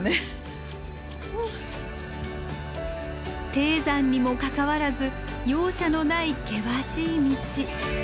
低山にもかかわらず容赦のない険しい道。